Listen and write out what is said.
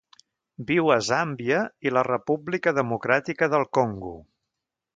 Viu a Zàmbia i la República Democràtica del Congo.